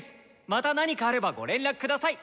また何かあればご連絡下さい！